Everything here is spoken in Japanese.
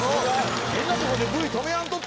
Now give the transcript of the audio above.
変なとこでＶ止めやんとってぇな。